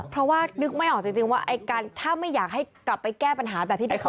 เพราะว่านึกไม่ออกจริงว่าถ้าไม่อยากให้กลับไปแก้ปัญหาแบบที่ดีขึ้น